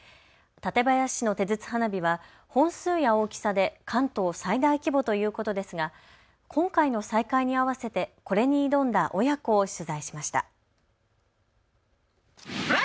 館林市の手筒花火は本数や大きさで関東最大規模ということですが今回の再開に合わせてこれに挑んだ親子を取材しました。